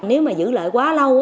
nếu mà giữ lợi quá lâu